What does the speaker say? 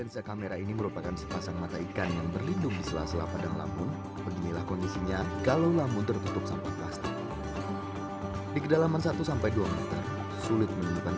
sampah plastik di laut